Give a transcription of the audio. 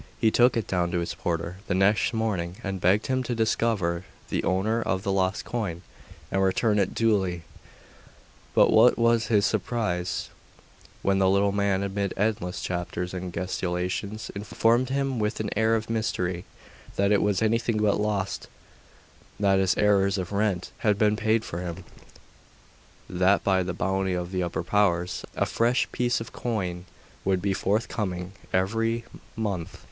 He took it down to the porter the next morning, and begged him to discover the owner of the lost coin, and return it duly. But what was his surprise, when the little man, amid endless capers and gesticulations, informed him with an air of mystery, that it was anything but lost; that his arrears of rent had been paid for him; and that by the bounty of the upper powers, a fresh piece of coin would be forthcoming every month!